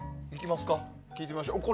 聴いてみましょう。